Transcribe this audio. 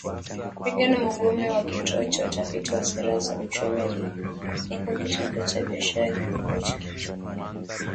Reagan Mugume wa Kituo cha Utafiti wa Sera za Uchumi aliyeko Kitengo cha Biashara Chuo Kikuu cha Makerere